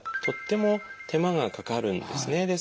とっても手間がかかるんですね。